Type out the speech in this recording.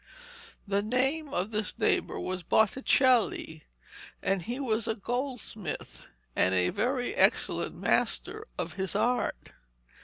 The name of this neighbour was Botticelli, and he was a goldsmith, and a very excellent master of his art.